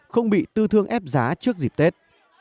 không bị tư thương ép giá trước dịp tết